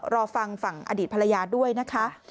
รอฟังฝั่งอดีตภรรยาด้วยนะคะ